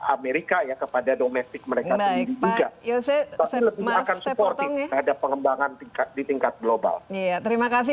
amerika kepada domestik mereka